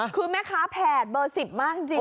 คือแม่ค้าแผดเบอร์๑๐มากจริง